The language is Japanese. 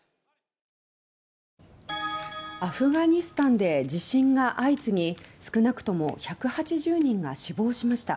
アフガニスタンで地震が相次ぎ少なくとも１８０人が死亡しました。